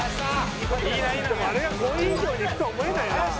あれが５位以上にいくとは思えないな。